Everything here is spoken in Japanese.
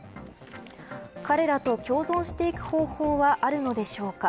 彼らと共存していく方法はあるのでしょうか。